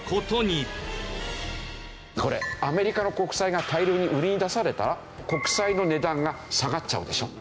これアメリカの国債が大量に売りに出されたら国債の値段が下がっちゃうでしょ。